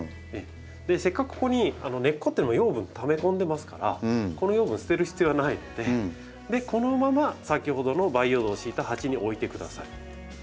せっかくここに根っこっていうのも養分ため込んでますからこの養分捨てる必要はないのでこのままさきほどの培養土を敷いた鉢に置いてください。